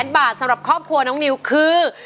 ๐บาทสำหรับครอบครัวน้องนิวคือ